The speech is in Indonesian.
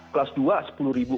kelas dua sepuluh ribu